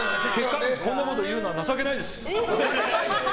こんなこと言うのはなさけないです。